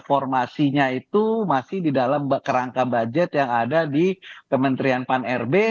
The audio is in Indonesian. formasinya itu masih di dalam kerangka budget yang ada di kementerian pan rb